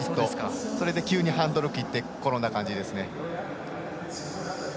それで急にハンドルを切って転んだ感じですかね。